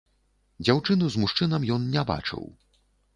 Дзяўчыну з мужчынам ён не бачыў.